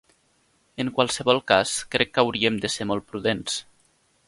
En qualsevol cas, crec que hauríem de ser molt prudents.